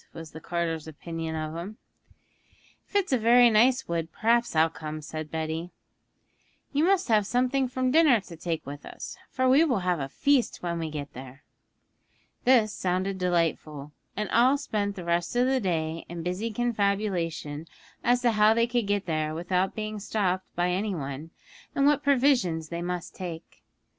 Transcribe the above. was the carter's opinion of him. 'If it's a very nice wood perhaps I'll come,' said Betty. 'You must save something from dinner to take with us, for we will have a feast when we get there.' This sounded delightful, and all spent the rest of the day in busy confabulation as to how they could get there without being stopped by any one, and what provisions they must take.